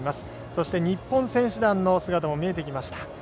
そして、日本選手団の姿も見えてきました。